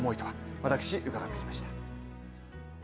私、伺ってきました。